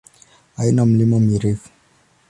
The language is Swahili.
Haina milima mirefu.